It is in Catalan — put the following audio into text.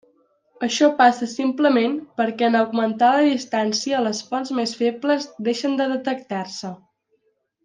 Això passa simplement perquè en augmentar la distància les fonts més febles deixen de detectar-se.